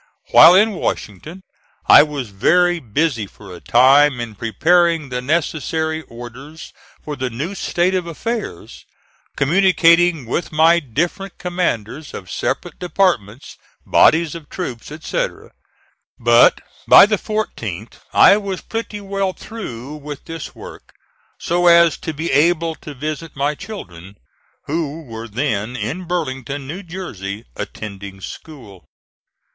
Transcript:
While in Washington I was very busy for a time in preparing the necessary orders for the new state of affairs; communicating with my different commanders of separate departments, bodies of troops, etc. But by the 14th I was pretty well through with this work, so as to be able to visit my children, who were then in Burlington, New Jersey, attending school.